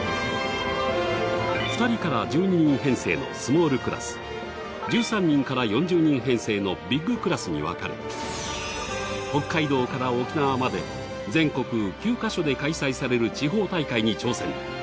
２人から１２人編成のスモールクラス１３人から４０人編成のビッグクラスに分かれ北海道から沖縄まで全国９カ所で開催される地方大会に挑戦。